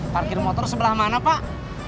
parkir motor sebelah mana pak